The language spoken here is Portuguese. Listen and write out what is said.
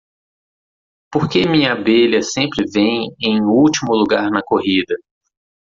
Por que minha abelha sempre vem em último lugar na corrida?